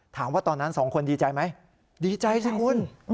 ถามว่าตอนนั้น๒คนดีใจไหมดีใจใช่มั้ย